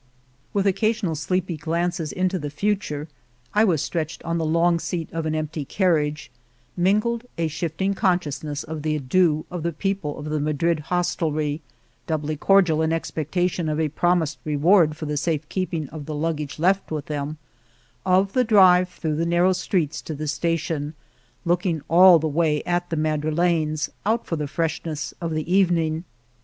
With occasional sleepy glances into the future (I was stretched on the long seat of an empty carriage), mingled a shifting con sciousness of the adieux of the people of the •••••'•'•• On the Road to Argamasilla Madrid hostelry — doubly cordial in expecta tion of a promised reward for the safe keep ing of the luggage left with them — of the drive through the narrow streets to the sta tion looking all the way at the Madrilenes, out for the freshness of the evening.